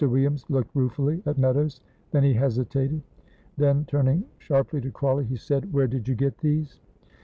Williams looked ruefully at Meadows, then he hesitated; then, turning sharply to Crawley, he said, "Where did you get these?"